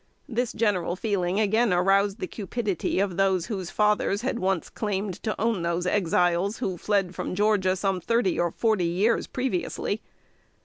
This general feeling again aroused the cupidity of those whose fathers had once claimed to own those Exiles, who fled from Georgia some thirty or forty years previously.